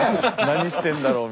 「何してんだろう？」